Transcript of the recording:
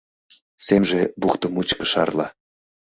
Семже бухто мучко шарла.